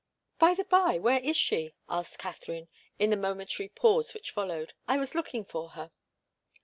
"By the bye, where is she?" asked Katharine, in the momentary pause which followed. "I was looking for her."